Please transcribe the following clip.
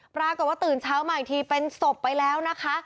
ปรากฏว่าตื่นเช้ามาอีกทีเป็นศพไปแล้วนะคะ